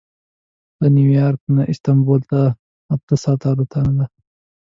له نیویارک نه استانبول ته اته ساعته الوتنه ده.